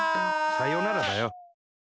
「さよなら」だよ。